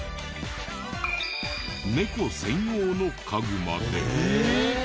ネコ専用の家具まで。